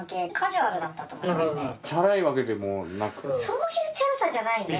そういうチャラさじゃないね。